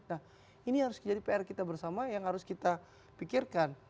nah ini harus jadi pr kita bersama yang harus kita pikirkan